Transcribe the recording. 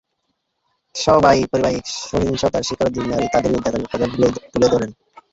সভায় পারিবারিক সহিংসতার শিকার দুই নারী তাঁদের নির্যাতনের কথা তুলে ধরেন।